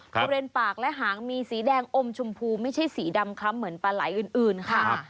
บริเวณปากและหางมีสีแดงอมชมพูไม่ใช่สีดำคล้ำเหมือนปลาไหลอื่นค่ะ